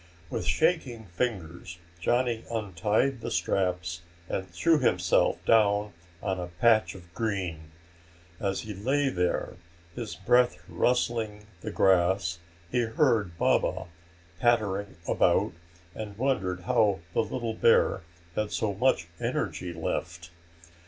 With shaking fingers Johnny untied the straps and threw himself down on a patch of green. As he lay there, his breath rustling the grass, he heard Baba pattering about and wondered how the little bear had so much energy left.